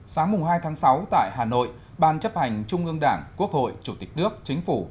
sáng hai tháng sáu tại hà nội ban chấp hành trung ương đảng quốc hội chủ tịch nước chính phủ